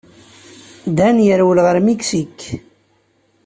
Dan yerwel ɣer Miksik.